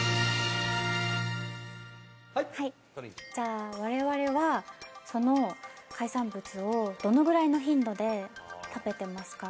じゃあ我々はその海産物をどのぐらいの頻度で食べてますか？